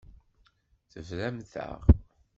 Tebramt-aɣ.